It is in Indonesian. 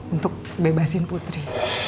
untuk bebasin putri